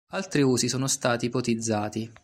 Altri usi sono stati ipotizzati.